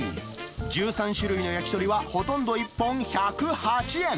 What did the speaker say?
１３種類の焼き鳥は、ほとんど１本１０８円。